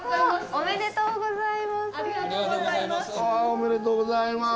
おめでとうございます。